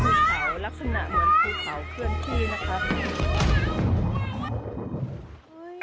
เหมือนคือเขาลักษณะเหมือนคือเขาเครื่องที่นะคะ